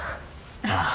ああ。